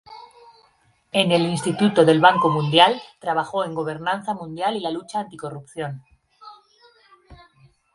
En el Instituto del Banco Mundial, trabajó en gobernanza mundial y la lucha anticorrupción.